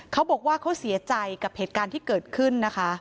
เขาบอกว่าเขาเสียใจกับเหตุการณ์ที่เกิดขึ้นนะคะ